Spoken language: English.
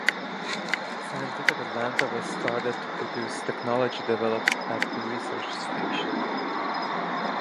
Scientific Atlanta was started to produce technology developed at the research station.